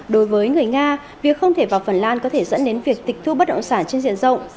đối với người nga việc không thể vào phần lan có thể dẫn đến việc tịch thu bất động sản trên diện rộng